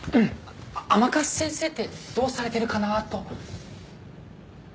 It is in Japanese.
甘春先生ってどうされてるかなぁと。